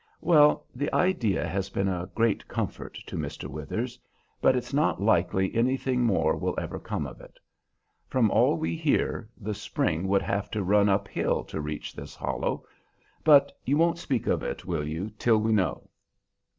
"Well, the idea has been a great comfort to Mr. Withers, but it's not likely anything more will ever come of it. From all we hear, the spring would have to run up hill to reach this hollow; but you won't speak of it, will you, till we know?"